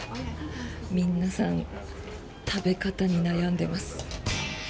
皆さん、食べ方に悩んでます。